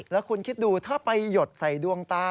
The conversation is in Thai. แล้วคุณคิดดูถ้าไปหยดใส่ดวงตา